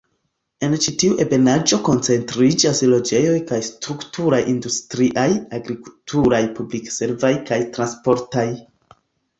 En ĉi tiu ebenaĵo koncentriĝas loĝejoj kaj strukturoj industriaj, agrikulturaj, publik-servaj kaj transportaj.